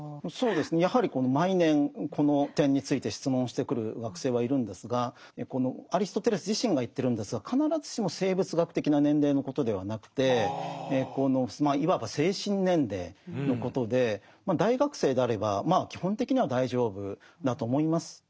やはり毎年この点について質問してくる学生はいるんですがアリストテレス自身が言ってるんですが必ずしも生物学的な年齢のことではなくてまあいわば精神年齢のことで大学生であればまあ基本的には大丈夫だと思います。